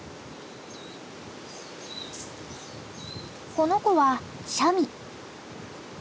この子はシャミ。